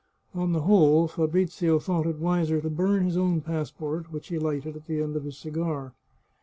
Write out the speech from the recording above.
On the whole, Fabrizio thought it wiser to burn his own pass port, which he lighted at the end of his cigar.